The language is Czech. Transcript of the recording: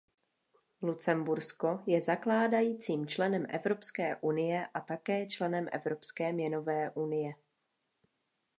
Lucembursko je zakládajícím členem Evropské unie a také členem Evropské měnové unie.